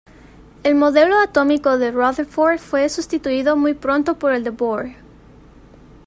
El modelo atómico de "Rutherford" fue sustituido muy pronto por el de Bohr.